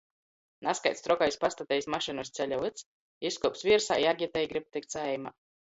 - Nazkaids trokais pastatejs mašynu iz ceļa vyds, izkuops viersā i agitej, gryb tikt Saeimā.